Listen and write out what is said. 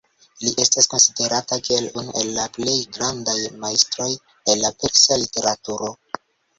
Li estas konsiderata kiel unu el la plej grandaj majstroj el la persa literaturo.